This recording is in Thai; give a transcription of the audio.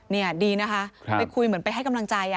นี่ดีนะคะไปคุยเหมือนไปให้กำลังใจ